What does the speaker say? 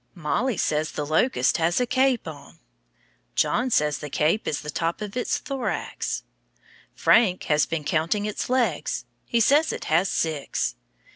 Mollie says the locust has a cape on. John says the cape is the top of its thorax. Frank has been counting its legs; he says it has six.